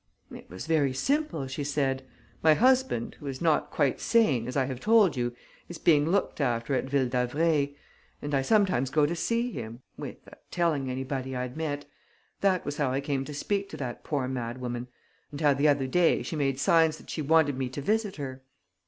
"It was very simple," she said. "My husband, who is not quite sane, as I have told you, is being looked after at Ville d'Avray; and I sometimes go to see him, without telling anybody, I admit. That was how I came to speak to that poor madwoman and how, the other day, she made signs that she wanted me to visit her.